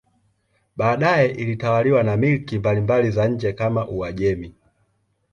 Baadaye ilitawaliwa na milki mbalimbali za nje kama Uajemi.